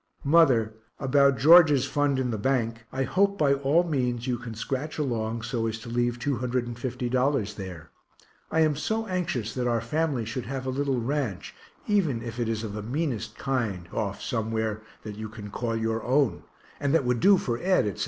Mother, about George's fund in the bank; I hope by all means you can scratch along so as to leave $250 there I am so anxious that our family should have a little ranch, even if it is the meanest kind, off somewhere that you can call your own, and that would do for Ed etc.